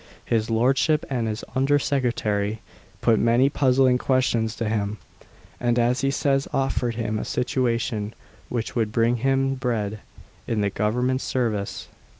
His Lordship, and the Under Secretary, put many puzzling questions to him; and, as he says, offered him a situation, which would bring him bread, in the Government's service.